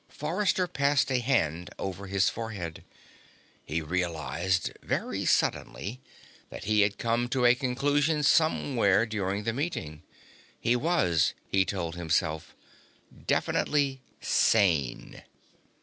Forrester passed a hand over his forehead. He realized, very suddenly, that he had come to a conclusion somewhere during the meeting. He was, he told himself, definitely sane.